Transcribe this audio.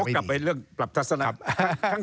เดี๋ยวโว๊คกลับไปเรื่องปรับทัศนา